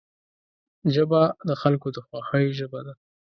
ژبه د خلکو د خوښۍ ژبه ده